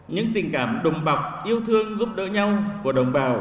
những tình cảm đùm bọc yêu thương giúp đỡ nhau của đồng bào